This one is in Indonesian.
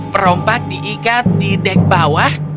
perompak diikat di dek bawah